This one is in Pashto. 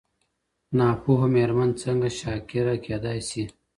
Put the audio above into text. ناپوهه ميرمن څنګه شاکره کيدای سي؟